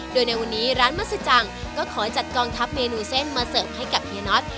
โดยในวันนี้ร้านมัศจังก็ขอจัดกองทัพเมนูเส้นมาเสิร์ฟให้กับเฮียน็อต